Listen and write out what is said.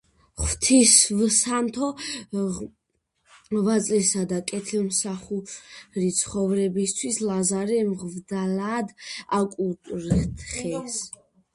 ღვთივსათნო ღვაწლისა და კეთილმსახური ცხოვრებისთვის ლაზარე მღვდლად აკურთხეს.